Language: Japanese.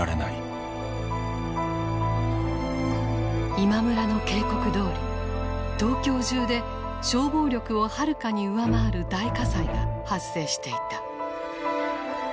今村の警告どおり東京中で消防力をはるかに上回る大火災が発生していた。